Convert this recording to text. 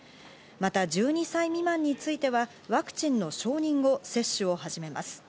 また１２歳未満についてはワクチンの承認後、接種を始めます。